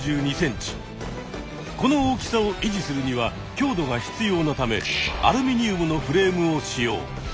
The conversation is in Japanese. この大きさをいじするには強度が必要なためアルミニウムのフレームを使用。